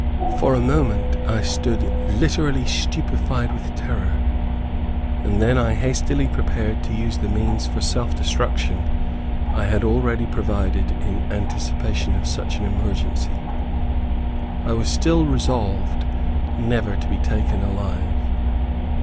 For a moment I stood literally stupified with terror, and then I hastily prepared to use the means for self destruction I had already provided in anticipation of such an emergency. I was still resolved never to be taken alive.